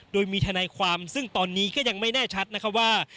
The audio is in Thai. โดยมีทนายความซึ่งตอนนี้ก็ยังไม่แน่ชัดนะคะว่า